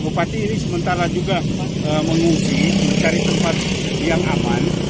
bupati ini sementara juga mengungsi mencari tempat yang aman